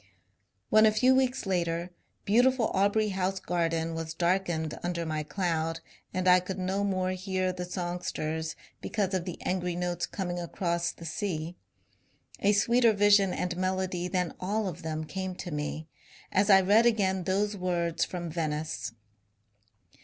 '* When a few weeks later beautiful Aubrey House garden was darkened under my cloud and I could no more hear the songsters because of the angry notes coming across the sea, a sweeter vision and melody than all of them came to me as I read again those words from Venice.